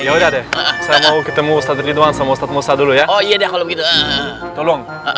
ya udah deh saya mau ketemu ustadz ridwan sama ustadz musta dulu ya oh iya deh kalau gitu tolong